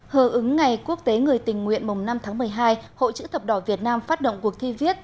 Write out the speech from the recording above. hờ ứng ngày quốc tế người tình nguyện mùng năm tháng một mươi hai hội chữ thập đỏ việt nam phát động cuộc thi viết